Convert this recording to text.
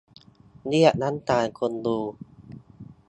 เรียกน้ำตาคนดู